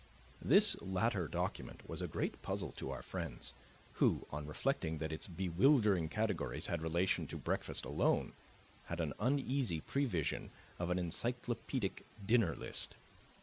This latter document was a great puzzle to our friends, who, on reflecting that its bewildering categories had relation to breakfast alone, had an uneasy prevision of an encyclopedic dinner list.